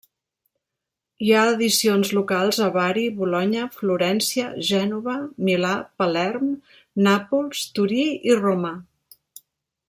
Hi ha edicions locals a Bari, Bolonya, Florència, Gènova, Milà, Palerm, Nàpols, Torí i Roma.